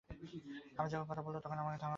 আমি যখন কথা বলব তখন আমাকে থামাবে না।